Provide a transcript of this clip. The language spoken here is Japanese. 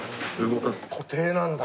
固定なんだ。